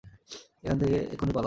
এখান থেকে এক্ষুনি পালাও!